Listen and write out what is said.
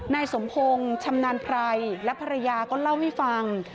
นายสมพงศ์ชำนาญไพรและภรรยาก็เล่าให้ฟัง